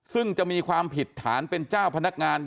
ซึ่งจะมีความผิดฐานเป็นเจ้าพนักงาน